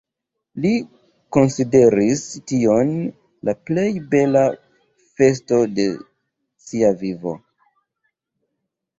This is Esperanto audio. Li konsideris tion la plej bela festo de sia vivo.